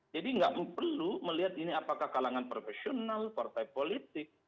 nggak perlu melihat ini apakah kalangan profesional partai politik